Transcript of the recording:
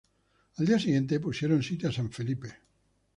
Al día siguiente pusieron sitio a San Felipe.